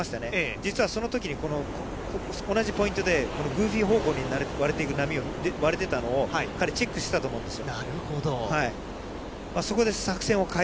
実はそのときに、同じポイントでグーフィー方向に曲げていく波を割れてたのを、彼、チェックしてたと思うんですよ。